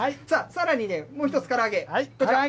さらに、もう一つ、から揚げ。